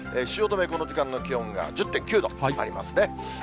汐留、この時間の気温が１０．９度ありますね。